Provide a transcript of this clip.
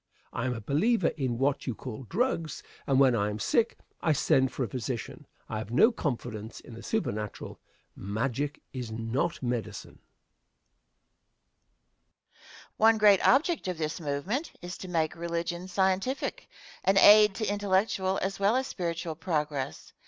I am a believer in what you call "drugs," and when I am sick I send for a physician. I have no confidence in the supernatural. Magic is not medicine. Question. One great object of this movement, is to make religion scientific an aid to intellectual as well as spiritual progress.